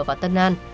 và tân an